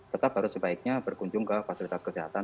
tetap harus sebaiknya berkunjung ke fasilitas kesehatan